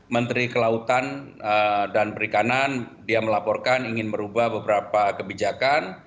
menteri kelautan dan perikanan dia melaporkan ingin merubah beberapa kebijakan